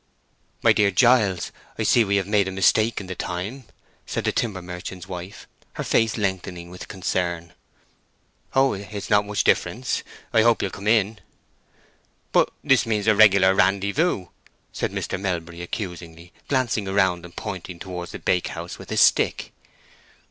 "My dear Giles, I see we have made a mistake in the time," said the timber merchant's wife, her face lengthening with concern. "Oh, it is not much difference. I hope you'll come in." "But this means a regular randyvoo!" said Mr. Melbury, accusingly, glancing round and pointing towards the bake house with his stick.